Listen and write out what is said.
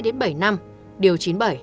tù từ hai đến bảy năm điều chín mươi bảy